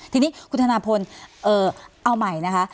ทีนี้คุณธนาพลเอาใหม่นะคะ